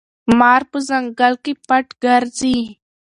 مار په ځنګل کې پټ ګرځي.